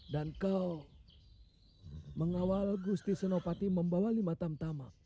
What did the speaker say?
dan kau mengawal gusti senopati membawa lima tamtama